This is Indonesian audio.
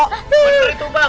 bener itu bang